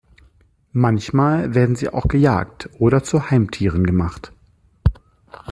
Manchmal werden sie auch gejagt oder zu Heimtieren gemacht.